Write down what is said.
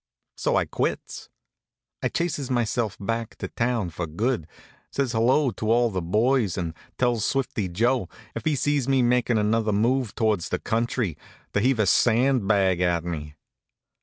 So I quits. I chases myself back to town for good, says hello to all the boys, and tells Swifty Joe, if he sees me makin' another move towards the country, to heave a sand bag at me.